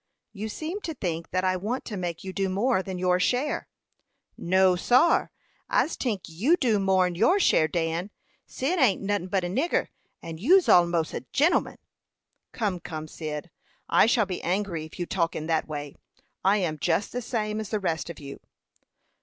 "You seem to think that I want to make you do more than your share." "No, sar! I's tink you do more'n your share, Dan. Cyd ain't notin but a nigger, and you's almos' a gen'leman." "Come, come, Cyd. I shall be angry if you talk in that way. I am just the same as the rest of you."